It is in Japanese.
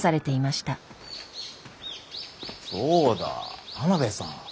そうだ田邊さん